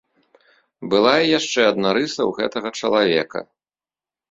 Была і яшчэ адна рыса ў гэтага чалавека.